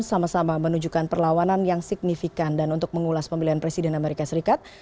sama sama menunjukkan perlawanan yang signifikan dan untuk mengulas pemilihan presiden amerika serikat